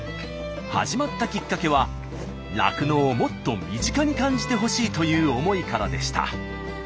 始まったきっかけは酪農をもっと身近に感じてほしいという思いからでした。